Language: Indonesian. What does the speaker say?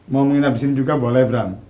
mau ngomongin abis ini juga boleh bram